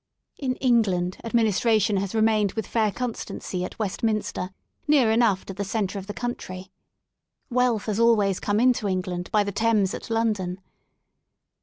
In England administration has remained with fair constancy at Westminster, near enough to the centre of the country. Wealth has al ways come into England by the Thames at London.